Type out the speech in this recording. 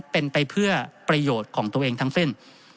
เป็นไปเพื่อประโยชน์ของตัวเองทั้งสิ้น